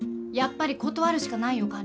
やっぱり断るしかないよ